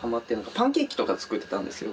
パンケーキとか作ってたんですよ。